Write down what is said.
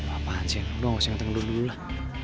apaan sih yang ngomong harusnya ngetengkel dulu lah